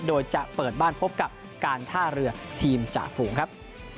โดยจะเปิดบ้านพบกับการท่าเรือทีมจ่าฝูงครับ